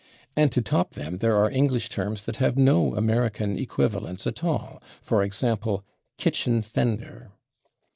And to top them there are English terms that have no American equivalents at all, for example, /kitchen fender